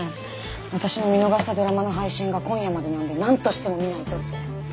私も見逃したドラマの配信が今夜までなんでなんとしても見ないとって。